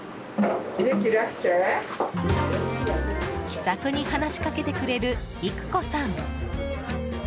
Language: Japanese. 気さくに話しかけてくれる郁古さん。